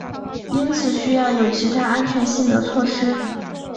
因此需要有其他安全性的措施。